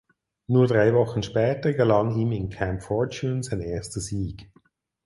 Nur drei Wochen später gelang ihm in Camp Fortune sein erster Sieg.